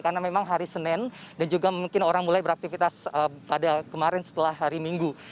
karena memang hari senin dan juga mungkin orang mulai beraktivitas pada kemarin setelah hari minggu